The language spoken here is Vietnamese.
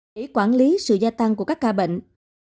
để quản lý sự gia tăng của các ca bệnh